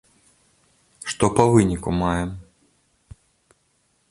Што па выніку маем?